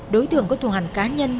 đối tượng có tù hành cá nhân